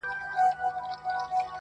ستا لپاره ده دا مینه- زه یوازي تا لرمه-